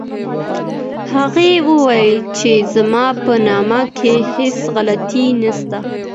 هغه وویل چي زما په نامه کي هیڅ غلطي نسته.